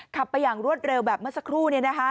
ขับไปอย่างรวดเร็วแบบเมื่อสักครู่